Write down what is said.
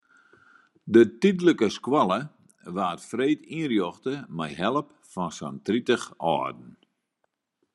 De tydlike skoalle waard freed ynrjochte mei help fan sa'n tritich âlden.